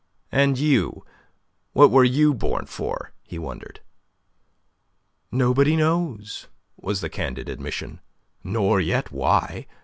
"And you, what were you born for?" he wondered. "Nobody knows," was the candid admission. "Nor yet why.